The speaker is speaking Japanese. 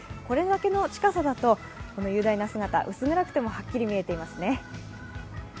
これだけの近さだと雄大な姿、薄暗くてもはっきり見えていますね。